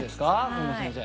今野先生